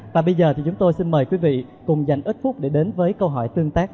và bây giờ thì chúng tôi xin mời quý vị cùng dành ít phút để đến với câu hỏi tương tác